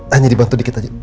hanya dibantu dikit aja